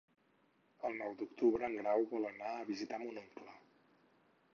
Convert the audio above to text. El nou d'octubre en Grau vol anar a visitar mon oncle.